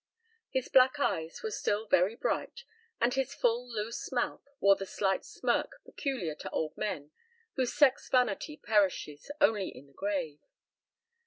His black eyes were still very bright and his full loose mouth wore the slight smirk peculiar to old men whose sex vanity perishes only in the grave.